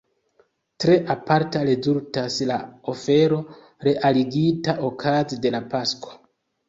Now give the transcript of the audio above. Tre aparta rezultas la ofero realigita okaze de la Pasko.